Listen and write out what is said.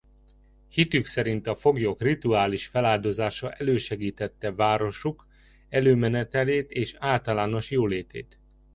Hitük szerint a foglyok rituális feláldozása elősegítette városuk előmenetelét és általános jólétét.